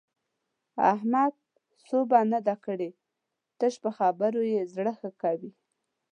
احمد سوبه نه ده کړې؛ تش په خبرو يې زړه ښه کوي.